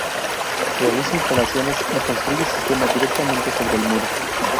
Realiza instalaciones y construye sistemas directamente sobre el muro.